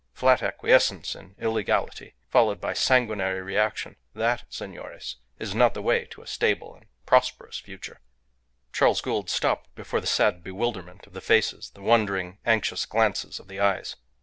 Flat acquiescence in illegality, followed by sanguinary reaction that, senores, is not the way to a stable and prosperous future." Charles Gould stopped before the sad bewilderment of the faces, the wondering, anxious glances of the eyes.